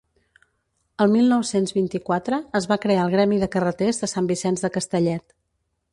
El mil nou-cents vint-i-quatre es va crear el Gremi de Carreters de Sant Vicenç de Castellet.